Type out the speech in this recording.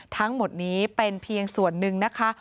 ทั้งหมดนี้เป็นเพียงส่วนหนึ่งนะคะ